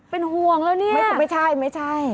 เป็นห่วงแล้วนี่ไม่ใช่ไม่ใช่